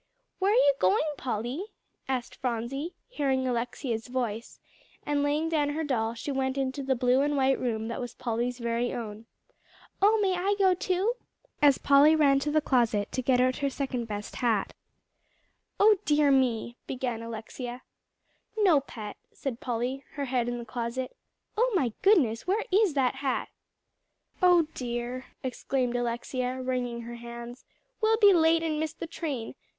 "Where are you going, Polly?" asked Phronsie, hearing Alexia's voice; and laying down her doll, she went into the blue and white room that was Polly's very own. "Oh, may I go too?" as Polly ran to the closet to get out her second best hat. "Oh dear me!" began Alexia. "No, Pet," said Polly, her head in the closet. "Oh my goodness! where is that hat?" "Oh dear!" exclaimed Alexia, wringing her hands, "we'll be late and miss the train.